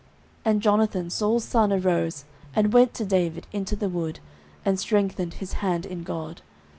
09:023:016 And Jonathan Saul's son arose, and went to David into the wood, and strengthened his hand in God.